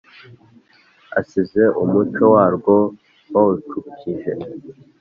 Asize umuco warwo bawucukije